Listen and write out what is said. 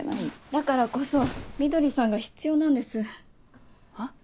だからこそ翠さんが必要なんです！は？